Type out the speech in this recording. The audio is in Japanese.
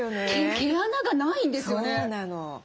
毛穴がないんですよね。